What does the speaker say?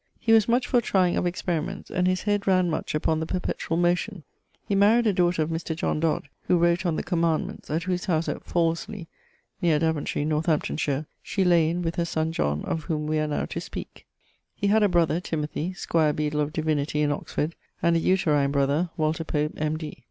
He was much for trying of experiments, and his head ran much upon the perpetuall motion. He maryed a daughter of Mr. John Dod (who wrote on the Commandments), at whose house, at , Northamptonshire, she laye in with her son John, of whome we are now to speake. He had a brother (Timothy), squier beadle of in Oxford, and a uterine brother, Walter Pope, M.D.